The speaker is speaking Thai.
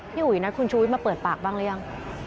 พี่หุยนัดคุณชุวิตมาเปิดปากบ้างหรือยัง